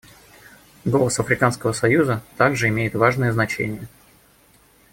Голос Африканского союза также имеет важное значение.